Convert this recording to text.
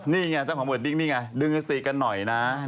นี่ไงเจ้าของเวิร์ดดิ้งนี่ไงดึงสติกันหน่อยนะ